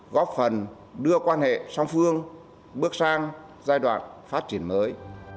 góp phần đưa quan hệ song phương bước sang giai đoạn phát triển mới